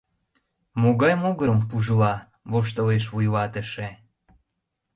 — Могай могырым пужла? — воштылеш вуйлатыше.